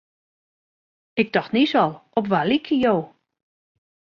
Ik tocht niis al, op wa lykje jo?